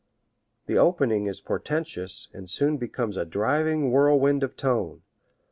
The opening is portentous and soon becomes a driving whirlwind of tone.